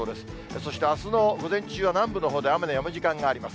そしてあすの午前中は、南部のほうで雨のやむ時間があります。